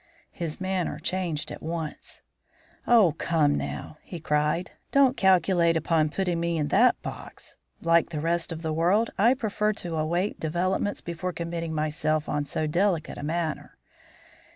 His manner changed at once. "Oh, come now!" he cried, "don't calculate upon putting me in that box. Like the rest of the world I prefer to await developments before committing myself on so delicate a matter.